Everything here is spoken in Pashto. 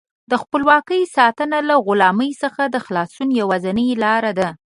د خپلواکۍ ساتنه له غلامۍ څخه د خلاصون یوازینۍ لاره ده.